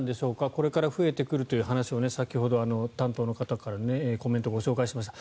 これから増えてくるということを担当者の方のコメントをご紹介しました。